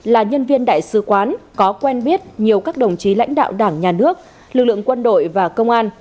là nhân viên đại sứ quán có quen biết nhiều các đồng chí lãnh đạo đảng nhà nước lực lượng quân đội và công an